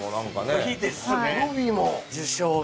すごいですね受賞が。